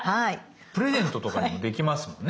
プレゼントとかにもできますもんね。